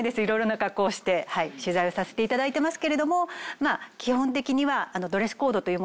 いろいろな格好をして取材をさせていただいてますけれども基本的には。